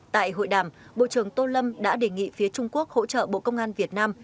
tại hội đàm bộ trưởng tô lâm đã đề nghị phía trung quốc hỗ trợ bộ công an việt nam